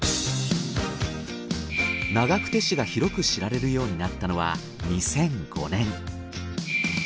長久手市が広く知られるようになったのは２００５年。